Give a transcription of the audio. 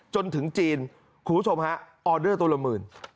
จนถึงจีนคุณผู้ชมฮะออเดอร์ตัวละหมื่น